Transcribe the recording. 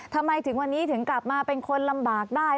ทำไมถึงวันนี้ถึงกลับมาเป็นคนลำบากได้